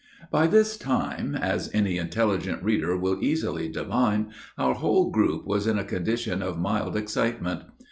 By this time, as any intelligent reader will easily divine, our whole group was in a condition of mild excitement.